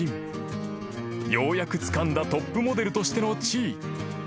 ［ようやくつかんだトップモデルとしての地位］